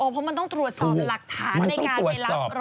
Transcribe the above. อ๋อเพราะมันต้องตรวจสอบหลักฐานในการไปรับรถมันต้องตรวจสอบ